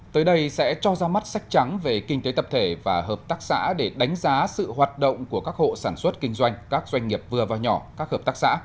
tới đây sẽ cho ra mắt sách trắng về kinh tế tập thể và hợp tác xã để đánh giá sự hoạt động của các hộ sản xuất kinh doanh các doanh nghiệp vừa và nhỏ các hợp tác xã